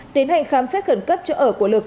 tiến hành khám xét khẩn cấp chỗ ở của lực